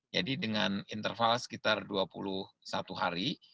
jadi dengan interval sekitar dua puluh satu hari